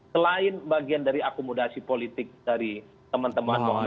selain bagian dari akomodasi politik dari teman teman